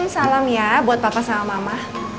salam ya buat bapak sama mama